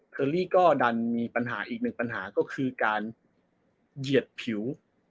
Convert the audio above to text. เคอรี่ก็ดันมีปัญหาอีกหนึ่งปัญหาก็คือการเหยียดผิว